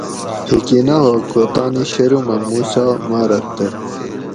ھیکی نہ ہوگ کوتانی شرمہ موسیٰ مارگ تہ